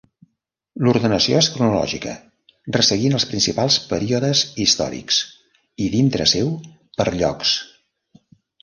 L'ordenació és cronològica, resseguint els principals períodes històrics i, dintre seu, per llocs.